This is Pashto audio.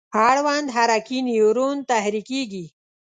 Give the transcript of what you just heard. اړوند حرکي نیورون تحریکیږي.